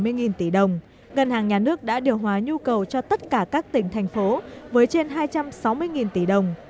trong dịp tết này ngân hàng nhà nước đã điều hòa nhu cầu cho tất cả các tỉnh thành phố với trên hai trăm sáu mươi tỷ đồng